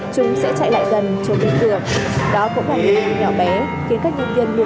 chúng sẽ chạy lại gần cho tình yêu